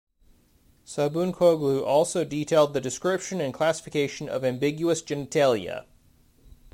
Sabuncuoglu also detailed the description and classification of ambiguous genitalia.